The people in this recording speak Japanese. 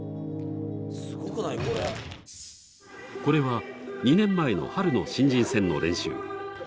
これは、２年前の春の新人戦の練習。